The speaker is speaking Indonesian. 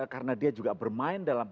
karena dia juga bermain dalam